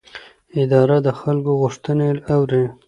اداره د خلکو غوښتنې اوري.